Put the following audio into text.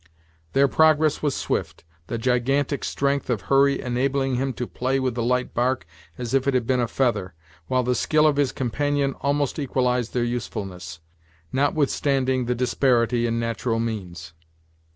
Their progress was swift, the gigantic strength of Hurry enabling him to play with the light bark as if it had been a feather, while the skill of his companion almost equalized their usefulness, notwithstanding the disparity in natural means.